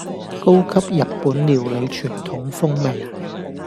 高級日本料理傳統風味